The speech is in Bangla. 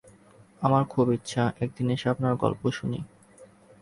আমার খুব ইচ্ছা একদিন এসে আপনার গল্প শুনি।